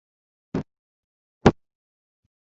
তোমার জীবনের লক্ষ্য ছিল।